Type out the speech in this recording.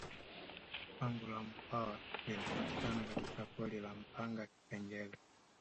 pango la mkwawa linapatikana katika pori la mpanga kipengere